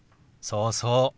そうそう。